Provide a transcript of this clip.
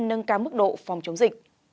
nâng cao mức độ phòng chống dịch